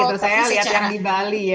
misal gitu saya lihat yang di bali ya